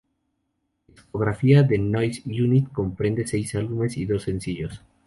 La discografía de Noise Unit comprende seis álbumes y dos sencillos.